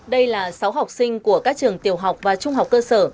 đây là sáu học sinh của các trường tiểu học và trung học cơ sở